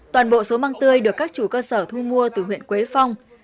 toàn bộ số măng tươi được các chủ cơ sở thu mua từ huyện quế phong